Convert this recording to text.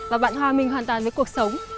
và bạn hòa mình hoàn toàn với cuộc sống